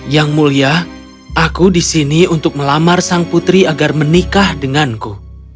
yang mulia aku disini untuk melamar sang putri agar menikah denganku